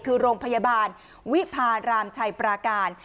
คือโรงพยาบาลวิพารามชัยปราการ